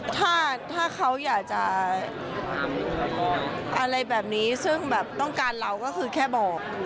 ถ้าถ้าเขาอยากจะอะไรแบบนี้ซึ่งแบบต้องการเราก็คือแค่บอก